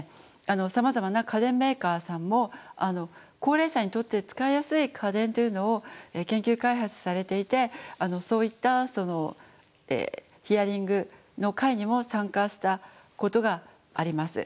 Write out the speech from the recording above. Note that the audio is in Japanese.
さまざまな家電メーカーさんも高齢者にとって使いやすい家電というのを研究開発されていてそういったヒアリングの会にも参加したことがあります。